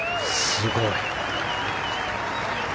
すごい。